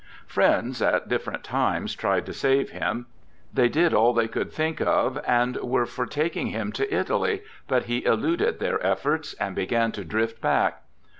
Friends, at different times, tried to save him. They did all they could think of, and were for taking him to Italy, but he eluded their efforts, and began to drift back.